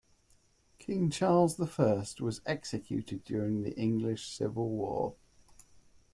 King Charles the First was executed during the English Civil War